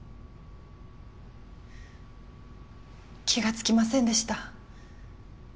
気が付きませんでした。